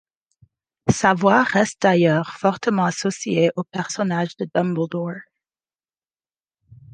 Sa voix reste d'ailleurs fortement associée au personnage de Dumbledore.